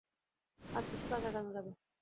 আজ কিছু কাজ আগানো যাবে।